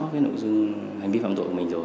hành vi phạm tội của mình rồi